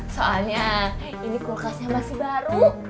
soalnya ini kulkasnya masih baru